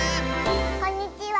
こんにちは。